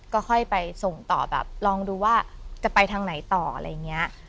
ก็ค่อยไปส่งต่อแบบลองดูว่าจะไปทางไหนต่ออะไรอย่างนี้